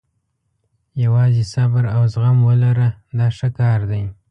یوازې صبر او زغم ولره دا ښه کار دی.